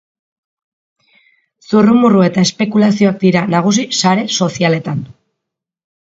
Zurrumurru eta espekulazioak dira nagusi sare sozialetan.